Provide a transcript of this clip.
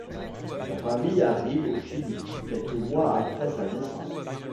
Sa famille arrive au Chili quelques mois après sa naissance.